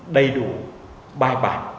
đầy đủ bài bản